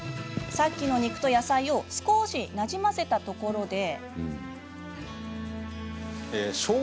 さっきの肉と野菜を少しなじませたところで。